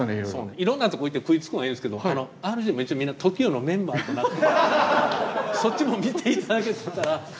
いろんなとこ行って食いつくのはいいんですけどＲＧは一応ＴＯＫＩＯのメンバーとなってそっちも見て頂けてたらありがたかったですけどね。